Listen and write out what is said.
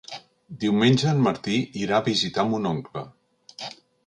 Diumenge en Martí irà a visitar mon oncle.